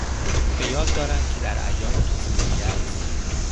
به یاد دارم که در ایام طفولیت...